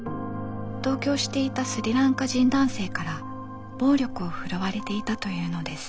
同居していたスリランカ人男性から暴力を振るわれていたというのです。